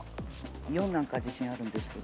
４なんか自信あるんですけど。